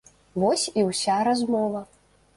Вось і ўся размова.